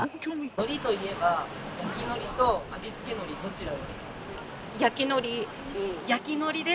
のりといえば「焼きのり」と「味付けのり」どちらですか？